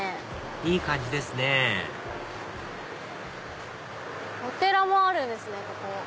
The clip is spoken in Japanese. いい感じですねお寺もあるんですね。